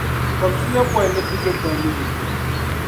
kobisiyɔbu ni pisopɔin ni yini.